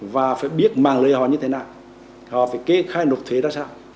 và phải biết mang lời họ như thế nào họ phải kê khai nộp thuế ra sao